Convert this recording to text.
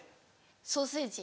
ソーセージ。